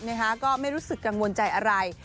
ก็ไม่รู้สึกกังวลใจอะไร